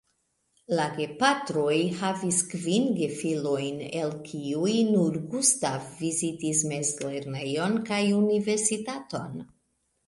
La gepatroj havis kvin gefilojn, el kiuj nur Gustav vizitis mezlernejon kaj Universitaton.